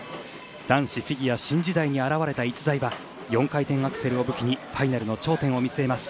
男子フィギュア新時代に現れた逸材は４回転アクセルを武器にファイナルの頂点を見据えます。